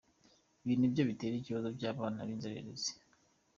Ibi nibyo bitera ibibazo by’abana b’inzererezi.